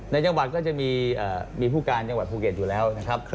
ในจังหวัดก็จะมีผู้การจังหวัดภูเก็ตอยู่แล้วนะครับ